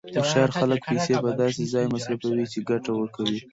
هوښیار خلک پیسې په داسې ځای مصرفوي چې ګټه ورکړي.